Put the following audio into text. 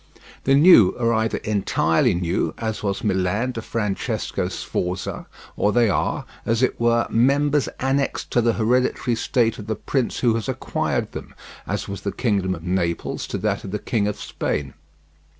The new are either entirely new, as was Milan to Francesco Sforza, or they are, as it were, members annexed to the hereditary state of the prince who has acquired them, as was the kingdom of Naples to that of the King of Spain.